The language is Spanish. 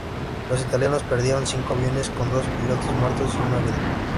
Los italianos perdieron cinco aviones, con dos pilotos muertos y uno herido.